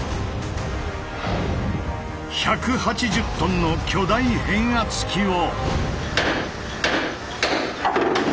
１８０トンの巨大変圧器を。